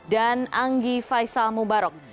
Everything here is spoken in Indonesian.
dan anggi faisal mubarok